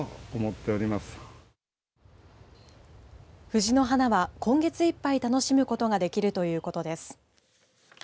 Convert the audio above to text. ふじの花は、今月いっぱい楽しむことができるということです。